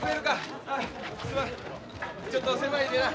ちょっと狭いんでな。